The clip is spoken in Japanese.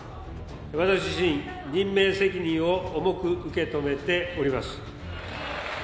私自身、任命責任を重く受け止めております。